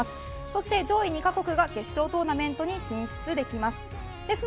そして上位２カ国が決勝トーナメントに進出できます。